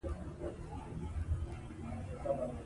چې له مخې يې د متن فرهنګي ځانګړنې